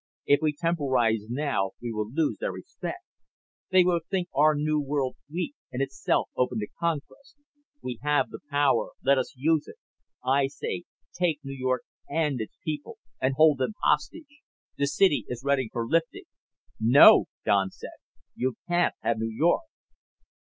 If we temporize now we will lose their respect. They will think our new world weak and itself open to conquest. We have the power let us use it. I say take New York and its people and hold them hostage. The city is ready for lifting." "No!" Don said. "You can't have New York."